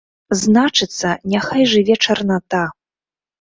Значыцца, няхай жыве чарната!